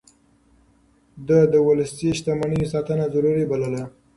ده د ولسي شتمنيو ساتنه ضروري بلله.